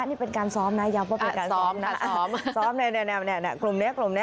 นี่เป็นการซ้อมนะยังไม่เป็นการซ้อม